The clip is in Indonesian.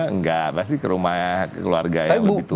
enggak pasti ke rumah keluarga yang lebih tua